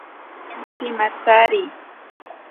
Entsi matsari.